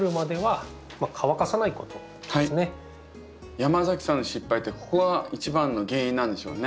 山崎さんの失敗ってここが１番の原因なんでしょうね。